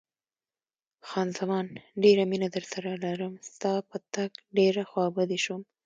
خان زمان: ډېره مینه درسره لرم، ستا په تګ ډېره خوابدې شوم.